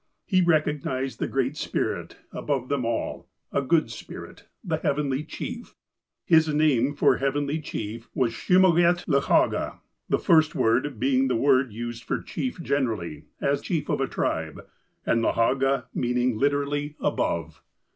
He recognized the Great Spirit above them all, a good Spirit, the '' Heavenly Chief." His name for Heavenly Chief was ''ShimaugetLahaga," the first word being the word used for '' chief" generally, as chief of a tribe; and "Lahaga" meaning, literally, ''above."